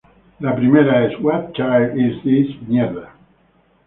La primera es "What Child Is This?